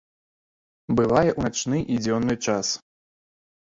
Бывае ў начны і дзённы час.